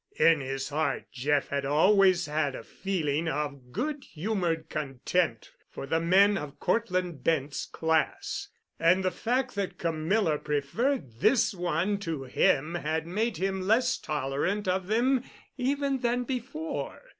In his heart Jeff had always had a feeling of good humored contempt for the men of Cortland Bent's class, and the fact that Camilla preferred this one to him had made him less tolerant of them even than before.